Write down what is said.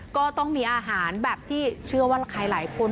ก็ต้องมีอาหารแบบที่เชื่อว่าใครหลายคน